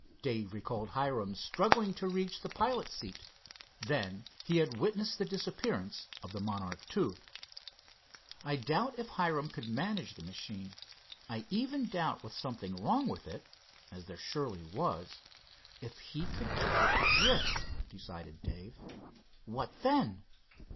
Dave recalled Hiram struggling to reach the pilot's seat. Then he had witnessed the disappearance of the Monarch II. "I doubt if Hiram could manage the machine I even doubt with something wrong with it, as there surely was, if he could keep it adrift," decided Dave. "What then?"